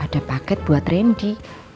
ada paket buat rendy